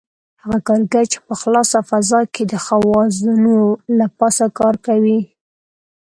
هغه کاریګر چې په خلاصه فضا کې د خوازونو له پاسه کار کوي.